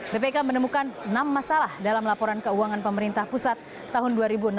bpk menemukan enam masalah dalam laporan keuangan pemerintah pusat tahun dua ribu enam belas